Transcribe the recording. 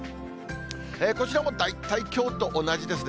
こちらも大体、きょうと同じですね。